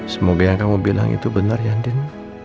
semoga yang kamu bilang itu benar ya din